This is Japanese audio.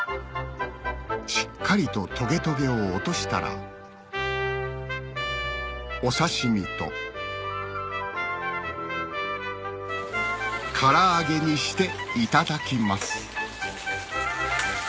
しっかりとトゲトゲを落としたらお刺し身と唐揚げにしていただきます